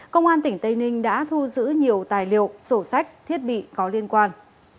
công an tỉnh tây ninh đã thu giữ nhiều tài liệu sổ sách thiết bị có liên quan